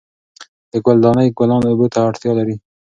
د ګل دانۍ ګلان اوبو ته اړتیا لري.